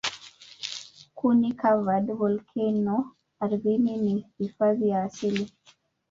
Kuni-covered volkeno ardhini ni hifadhi ya asili.